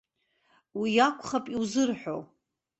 Уи акәхап иузырҳәо.